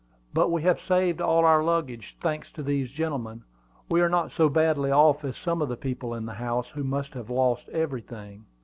"But we have saved all our luggage, thanks to these gentlemen! We are not so badly off as some of the people in the house, who must have lost everything."